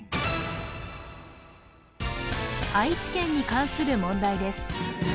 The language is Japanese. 愛知県に関する問題です